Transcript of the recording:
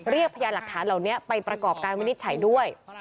พยานหลักฐานเหล่านี้ไปประกอบการวินิจฉัยด้วย